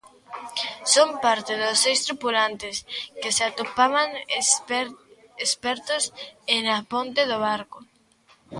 Son parte do seis tripulantes que se atopaban espertos e na ponte do barco.